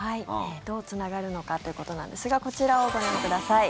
どうつながるのかということなんですがこちらをご覧ください。